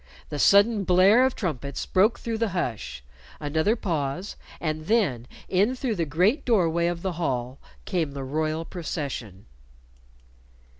The sudden blare of trumpets broke through the hush; another pause, and then in through the great door way of the hall came the royal procession.